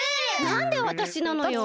なんでわたしなのよ！